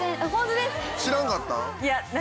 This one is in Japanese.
知らんかったん？